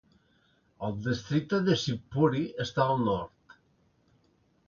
El districte de Shivpuri està al nord.